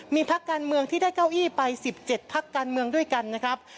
มีพักการเมืองที่ได้เก้าอี้ไป๑๗พักการเมืองด้วยกันนะครับ